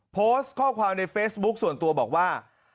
โพสต์ข้อความในเฟซบุ๊คส่วนตัวบอกว่า